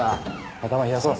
頭冷やそう。